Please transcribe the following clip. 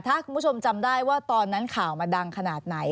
ถ้าคุณผู้ชมจำได้ว่าตอนนั้นข่าวมันดังขนาดไหน